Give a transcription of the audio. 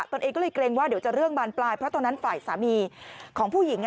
ตัวเองก็เลยเกรงว่าเดี๋ยวจะเรื่องบานปลายเพราะตอนนั้นฝ่ายสามีของผู้หญิง